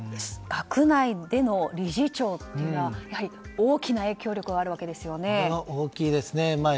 学内での理事長というのはやはり大きな影響力が大きいですね。